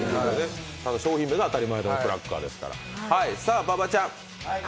商品名があたり前田のクラッカーですから。